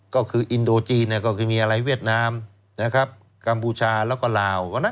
ก็คืออินโดจีนก็คือมีอะไรเวียดนามนะครับกัมพูชาแล้วก็ลาว